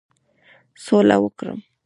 سوله وکړم.